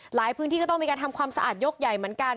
พื้นที่ก็ต้องมีการทำความสะอาดยกใหญ่เหมือนกัน